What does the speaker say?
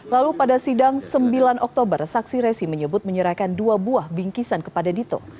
lalu pada sidang sembilan oktober saksi resi menyebut menyerahkan dua buah bingkisan kepada dito